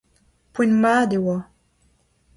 Poent-mat e oa.